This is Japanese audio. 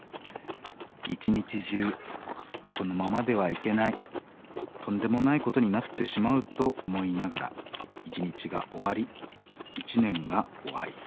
一日中このままではいけないとんでもないことになってしまうと思いながら一日が終わり一年が終わり。